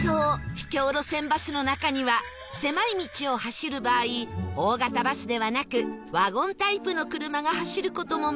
秘境路線バスの中には狭い道を走る場合大型バスではなくワゴンタイプの車が走る事も珍しくありません